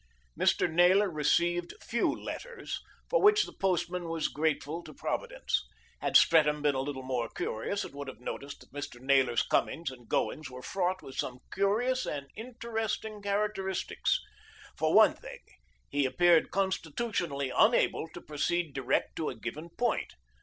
Mr. Naylor received few letters, for which the postman was grateful to providence. Had Streatham been a little more curious, it would have noticed that Mr. Naylor's comings and goings were fraught with some curious and interesting characteristics. For one thing he appeared constitutionally unable to proceed direct to a given point.